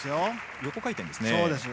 横回転ですね。